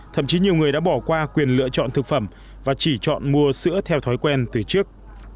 thậm chí nhiều người đã bỏ qua quyền lựa chọn thực phẩm và chỉ chọn mua sữa theo thói quen từ trước